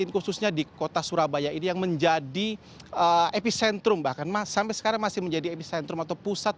khususnya di kota surabaya ini yang menjadi epicentrum bahkan sampai sekarang masih menjadi epicentrum atau pusat